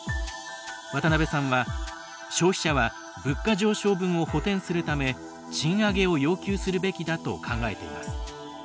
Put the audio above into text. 渡辺さんは、消費者は物価上昇分を補填するため賃上げを要求するべきだと考えています。